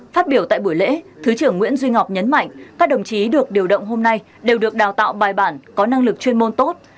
phát biểu tại buổi lễ thứ trưởng nguyễn duy ngọc nhấn mạnh các đồng chí được điều động hôm nay đều được đào tạo bài bản có năng lực chuyên môn tốt